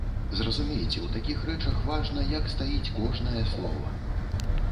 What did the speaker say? Зразумейце, у такіх рэчах важна, як стаіць кожнае слова.